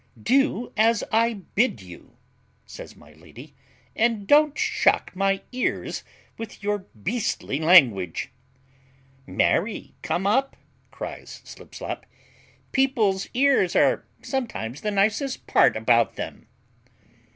"Do as I bid you," says my lady, "and don't shock my ears with your beastly language." "Marry come up," cries Slipslop, "people's ears are sometimes the nicest part about them."